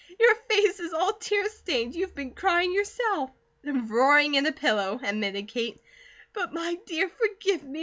"Your face is all tear stained. You've been crying, yourself." "Roaring in a pillow," admitted Kate. "But my dear, forgive me!